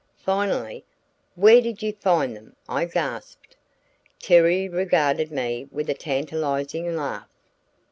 Finally, "Where did you find them?" I gasped. Terry regarded me with a tantalizing laugh.